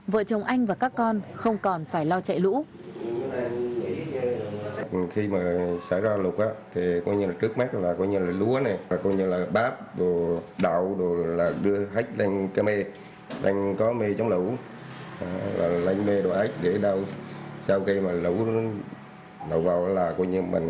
vợ chồng anh và các con không còn phải lo chạy lũ